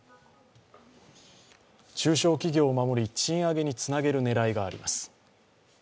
中小企業を守り賃上げにつなげる狙いがありますう。